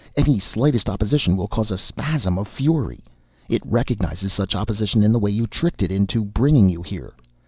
Any slightest opposition will cause a spasm of fury. It recognizes such opposition in the way you tricked it into bringing you here.